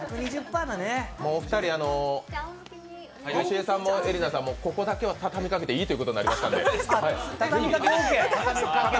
お二人よしえさんもえりなさんもここだけはたたみかけていいということになりましたんで。